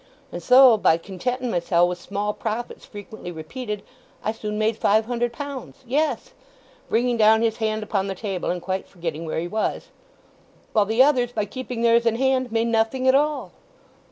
And so, by contenting mysel' with small profits frequently repeated, I soon made five hundred pounds—yes!"—(bringing down his hand upon the table, and quite forgetting where he was)—"while the others by keeping theirs in hand made nothing at all!"